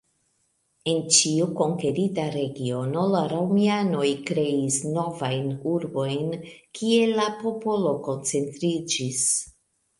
En ĉiu konkerita regiono la romianoj kreis novajn urbojn, kie la popolo koncentriĝis.